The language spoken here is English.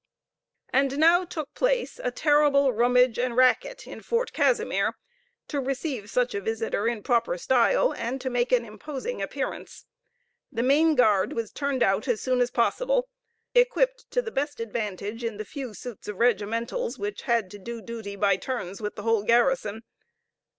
And now took place a terrible rummage and racket in Fort Casimir, to receive such a visitor in proper style, and to make an imposing appearance. The main guard was turned out as soon as possible, equipped to the best advantage in the few suits of regimentals, which had to do duty, by turns, with the whole garrison.